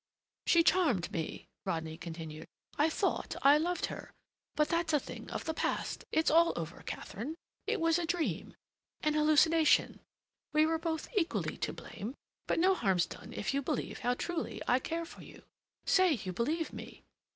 "She charmed me," Rodney continued. "I thought I loved her. But that's a thing of the past. It's all over, Katharine. It was a dream—an hallucination. We were both equally to blame, but no harm's done if you believe how truly I care for you. Say you believe me!"